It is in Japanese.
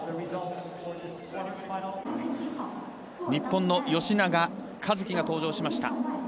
日本の吉永一貴が登場しました。